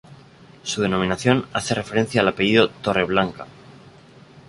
Su denominación hace referencia al apellido Torreblanca